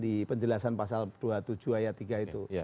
di penjelasan pasal dua puluh tujuh ayat tiga itu